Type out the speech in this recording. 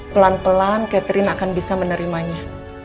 pelan pelan catherine akan bisa menerimanya